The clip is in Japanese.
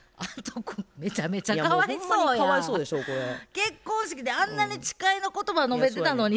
結婚式であんなに誓いの言葉述べてたのに。